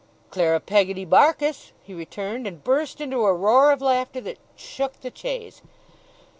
'Clara Peggotty BARKIS!' he returned, and burst into a roar of laughter that shook the chaise.